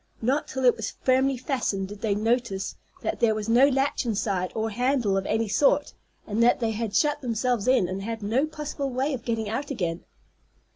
Not till it was firmly fastened did they notice that there was no latch inside, or handle of any sort, and that they had shut themselves in, and had no possible way of getting out again.